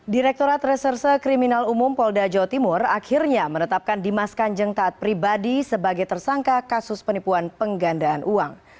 direkturat reserse kriminal umum polda jawa timur akhirnya menetapkan dimas kanjeng taat pribadi sebagai tersangka kasus penipuan penggandaan uang